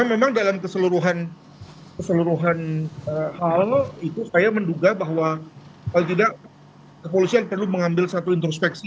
memang dalam keseluruhan hal itu saya menduga bahwa paling tidak kepolisian perlu mengambil satu introspeksi